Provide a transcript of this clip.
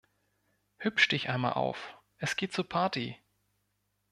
Hübsch Dich einmal auf, es geht zur Party!